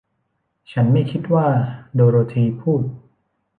ฉันไม่คิดว่า โดโรธีพูด